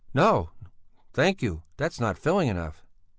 "No, thank you; that's not filling enough...."